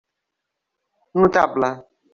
Notable.